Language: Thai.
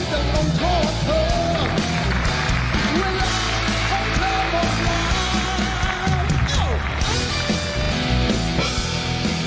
เวลาของเธอมากดาว